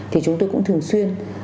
thì chúng tôi cũng thường xuyên